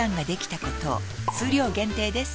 数量限定です